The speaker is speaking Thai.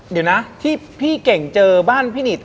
เดี๋ยวนะที่พี่เก่งเจอบ้านพี่นิด